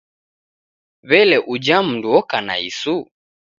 W'ele uja mundu oka na isu?